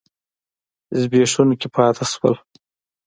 زبېښونکي پاتې شول.